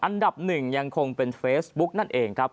อันดับหนึ่งยังคงเป็นเฟซบุ๊กนั่นเองครับ